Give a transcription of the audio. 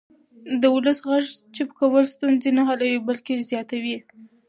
د ولس غږ چوپ کول ستونزې نه حلوي بلکې یې زیاتوي